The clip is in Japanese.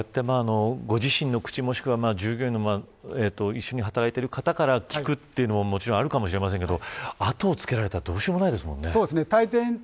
ご自身の口、もしくは従業員の一緒に働いている方から聞くというのもあるかもしれませんが後をつけられたらどうしようもないですね。